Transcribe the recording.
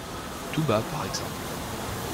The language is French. Tout bas, par exemple.